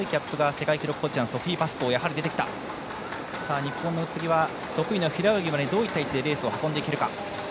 日本の宇津木は得意の平泳ぎまでどういった位置でレースを運んでいけるか。